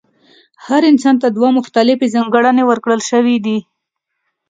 هر انسان ته دوه مختلفې ځانګړنې ورکړل شوې دي.